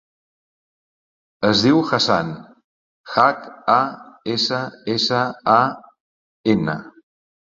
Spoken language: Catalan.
Es diu Hassan: hac, a, essa, essa, a, ena.